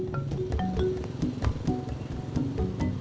masa udah rabet lagi